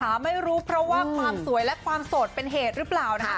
ไม่รู้เพราะว่าความสวยและความโสดเป็นเหตุหรือเปล่านะคะ